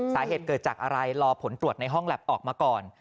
สาเหตุเกิดจากอะไรรอผลตรวจในห้องแล็บออกมาก่อน